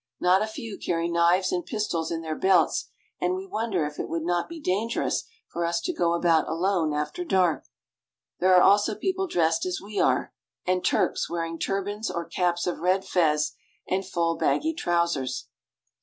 Not a few carry knives and pistols in their belts, and we wonder if it would not be dangerous for us to go about "We stay over night at Belgrade." alone after dark. There are also people dressed as we are, and Turks wearing turbans or caps of red fez, and full baggy trousers.